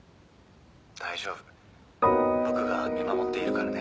大丈夫僕が見守っているからね」